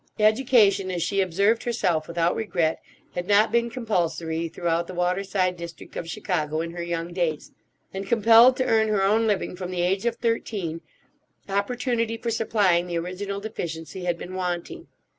Education, as she observed herself without regret, had not been compulsory throughout the waterside district of Chicago in her young days; and, compelled to earn her own living from the age of thirteen, opportunity for supplying the original deficiency had been wanting.